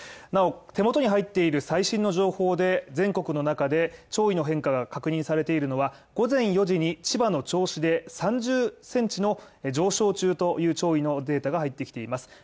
なお、手元に入っている最新の情報で、全国の中で潮位の変化が確認されているのは午前４時に千葉の銚子で３０センチの上昇中という潮位のデータが入ってきています。